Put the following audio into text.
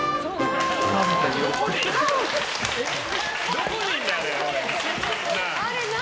どこにいるんだよ、あれ！